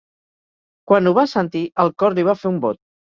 Quan ho va sentir el cor li va fer un bot.